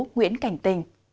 nguyễn cảnh tình